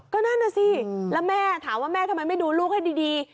ก็นั่นน่ะสิแล้วแม่ถามว่าแม่ทำไมไม่ดูลูกให้ดี